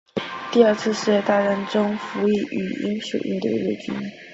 第二次世界大战中服役于英属印度陆军。